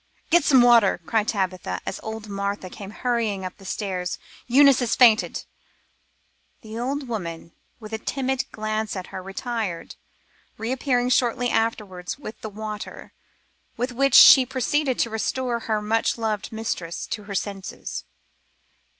"Get some water," cried Tabitha, as old Martha came hurrying up the stairs, "Eunice has fainted." The old woman, with a timid glance at her, retired, reappearing shortly afterwards with the water, with which she proceeded to restore her much loved mistress to her senses.